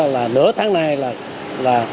từ nửa tháng nay là